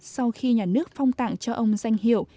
sau khi nhà nước phong tặng cho ông danh hiệu